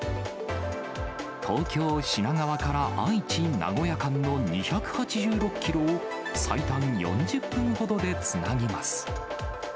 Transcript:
東京・品川から愛知・名古屋間の２８６キロを最短４０分ほどでつなぎます。